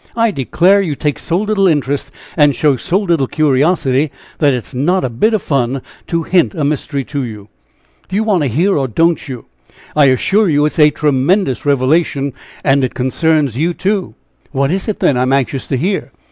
I declare you take so little interest, and show so little curiosity, that it is not a bit of fun to hint a mystery to you. Do you want to hear, or don't you? I assure you it is a tremendous revelation, and it concerns you, too!" "What is it, then? I am anxious to hear?"